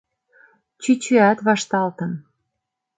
Чӱчӱат вашталтын.